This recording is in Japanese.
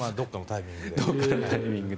どこかのタイミングで。